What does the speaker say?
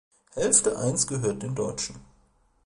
Hälfte Eins gehörte den Deutschen.